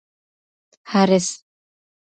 حارث